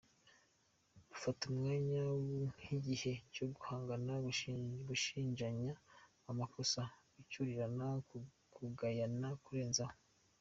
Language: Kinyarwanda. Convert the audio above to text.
Bafata uwo mwanya nk’igihe cyo guhangana, gushinjanya amakosa, gucyurirana, kugayana, kurenzaho,.